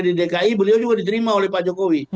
di dki beliau juga diterima oleh pak jokowi